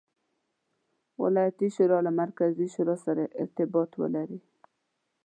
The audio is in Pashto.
ولایتي شورا له مرکزي شورا سره ارتباط ولري.